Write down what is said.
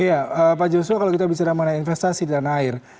iya ee pak joshua kalau kita bisa namanya investasi dan air